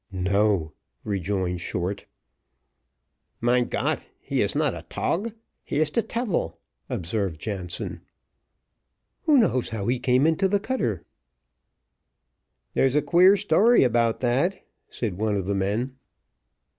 "No," rejoined Short. "Mein Got he is not a tog, he is te tyfel," observed Jansen. "Who knows how he came into the cutter?" "There's a queer story about that," said one of the men.